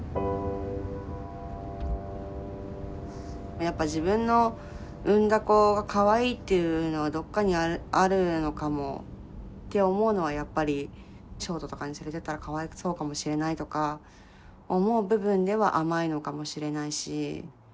やっぱ自分の産んだ子がかわいいっていうのはどっかにあるのかもって思うのはやっぱりショートとかに連れてったらかわいそうかもしれないとか思う部分では甘いのかもしれないし。